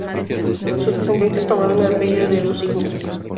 Sus descendientes tomaron el apellido De Lusignan.